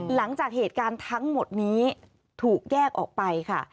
หลังจากเหตุการณ์ทั้งหมดนี้ถูกแยกออกไปค่ะ